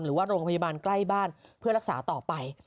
หรือว่าโรงพยาบาลใกล้บ้านเพื่อรักษาต่อไป